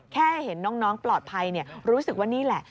แค่เห็นน้องปลอดภัยรู้สึกว่านี่แหละ